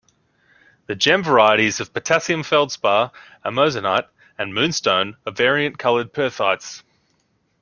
The gem varieties of potassium feldspar, amazonite and moonstone are variant colored perthites.